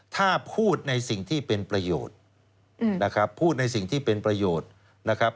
ถ้าพูดในสิ่งที่เป็นประโยชน์นะครับพูดในสิ่งที่เป็นประโยชน์นะครับ